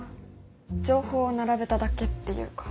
情報を並べただけっていうか。